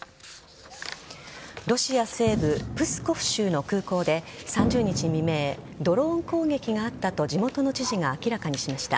ロシア西部・プスコフ州の空港で３０日未明ドローン攻撃があったと地元の知事が明らかにしました。